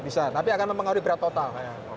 bisa tapi akan mempengaruhi berat total